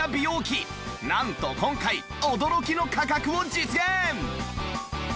なんと今回驚きの価格を実現！